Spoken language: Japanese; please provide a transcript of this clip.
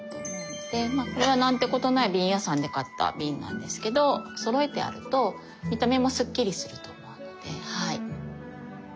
これは何てことない瓶屋さんで買った瓶なんですけどそろえてあると見た目もスッキリすると思うのではい。